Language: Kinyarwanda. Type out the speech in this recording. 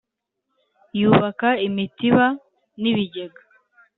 yubaka imitiba n'ibigega.